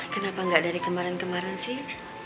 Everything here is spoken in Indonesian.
kenapa nggak dari kemarin kemarin sih